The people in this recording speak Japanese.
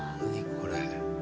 これ。